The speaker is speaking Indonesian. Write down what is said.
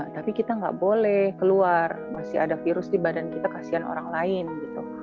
tapi kita nggak boleh keluar masih ada virus di badan kita kasihan orang lain gitu